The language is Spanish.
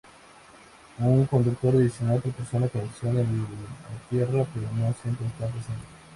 Un conductor adicional proporciona conexión a tierra pero no siempre está presente.